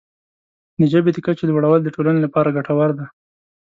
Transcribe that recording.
د ژبې د کچې لوړول د ټولنې لپاره ګټور دی.